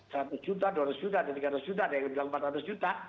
satu juta dua ratusan juta tiga ratusan juta ada yang bilang empat ratusan juta